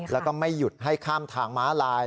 แล้วก็ไม่หยุดให้ข้ามทางม้าลาย